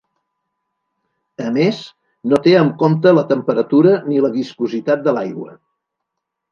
A més, no té en compte la temperatura ni la viscositat de l'aigua.